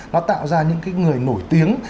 nó tạo ra những cái người nổi tiếng